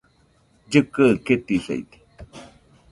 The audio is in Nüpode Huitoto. Llikɨaɨ ketisaide